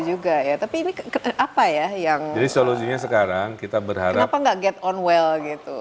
juga ya tapi ini apa ya yang jadi solusinya sekarang kita berharap nggak get on well gitu